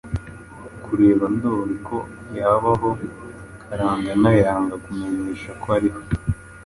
kureba Ndoli ko yabaho. Karangana yanga kumumenyesha ko ariho